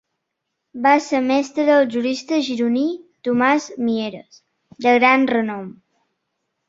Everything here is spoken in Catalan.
Va ser mestre del jurista gironí Tomàs Mieres, de gran renom.